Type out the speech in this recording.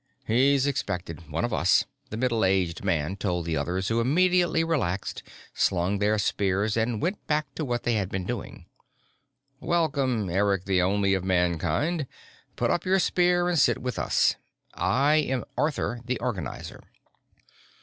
"He's expected, one of us," the middle aged man told the others who immediately relaxed, slung their spears and went back to what they had been doing. "Welcome, Eric the Only of Mankind. Put up your spear and sit with us. I am Arthur the Organizer."